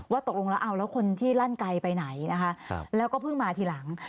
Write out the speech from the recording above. ว่าตกลงแล้วคนที่รั่นไกลไปไหนแล้วก็เพิ่งมาทีหลัง